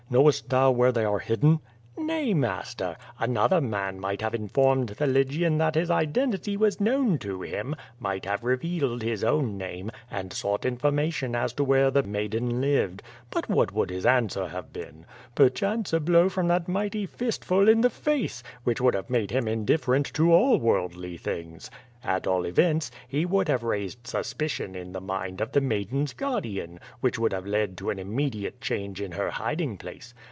Knowest thou where they are hidden?" ^^Nay, master; another man might have informed the Lygian that his identity was known to him, might have re vealed his own name, and sought information as to where the maiden lived. But what would his answer have been? Pei chance a blow from that mighty fist full in the face, which would have made him indifferent to all worldly things. At all events, he would have raised suspicion in the mind of the maiden's guardian, which would have led to an inmiediate changes in her hiding place.